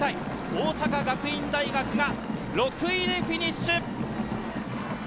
大阪学院大学が６位でフィニッシュ。